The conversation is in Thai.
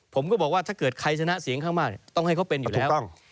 ผมก็บอกว่าถ้าเกิดใครชนะเสียงข้างมากต้องให้เขาเป็นอยู่ถูกต้อง